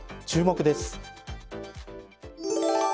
注目です。